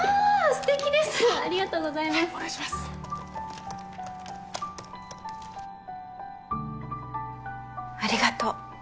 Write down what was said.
すてきですありがとうございますありがとう。